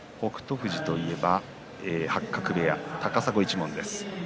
富士といえば八角部屋、高砂一門です。